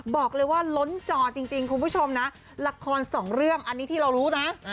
บอกเลยว่าล้นจอจริงคุณผู้ชมนะละครสองเรื่องอันนี้ที่เรารู้นะ